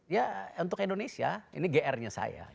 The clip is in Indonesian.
ya untuk indonesia ini gr nya saya